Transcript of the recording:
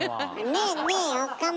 ねえねえ岡村。